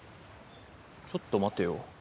ちょっと待てよ。